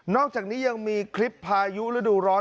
อกจากนี้ยังมีคลิปพายุฤดูร้อน